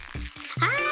はい！